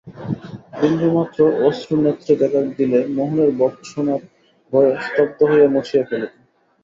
বিন্দুমাত্র অশ্রু নেত্রে দেখা দিলে মোহনের ভর্ৎসনার ভয়ে ত্রস্ত হইয়া মুছিয়া ফেলিত।